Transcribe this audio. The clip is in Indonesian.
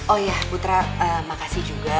oh ya putra makasih juga